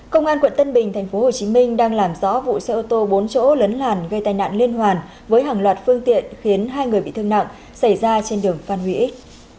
công an quận tân bình tp hcm đang làm rõ vụ xe ô tô bốn chỗ lấn làn gây tai nạn liên hoàn với hàng loạt phương tiện khiến hai người bị thương nặng xảy ra trên đường phan huy ích